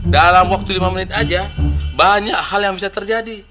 dalam waktu lima menit saja banyak hal yang bisa terjadi